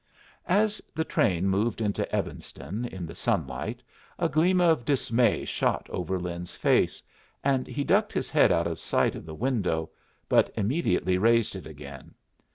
As the train moved into Evanston in the sunlight, a gleam of dismay shot over Lin's face, and he ducked his head out of sight of the window, but immediately raised it again.